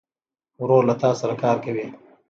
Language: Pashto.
ورور له تا سره کار کوي.